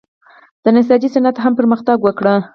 د نساجۍ صنعت هم پرمختګ وکړ.